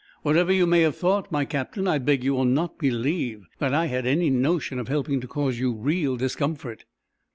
What ever you may have thought, my Captain, I beg you will not believe that I had any notion of helping to cause you real discomfort."